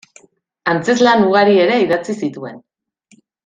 Antzezlan ugari ere idatzi zituen.